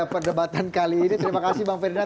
perdebatan kali ini terima kasih bang ferdinand